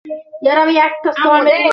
কেবল নান্দু এলেই তো এখানে আসো তুমি।